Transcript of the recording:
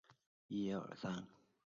肛门盖是单一块鳞片。